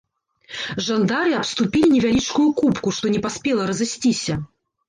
Жандары абступілі невялічкую купку, што не паспела разысціся.